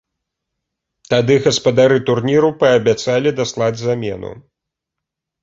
Тады гаспадары турніру паабяцалі даслаць замену.